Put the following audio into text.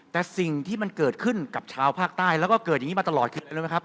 แต่สิ่งที่มันเกิดขึ้นกับชาวภาคใต้แล้วก็เกิดอย่างนี้มาตลอดขึ้น